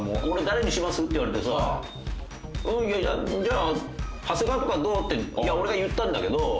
俺「誰にします？」って言われてさ「じゃあ長谷川とかどう？」って俺が言ったんだけど。